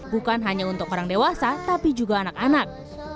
bukan hanya untuk orang dewasa tapi juga anak anak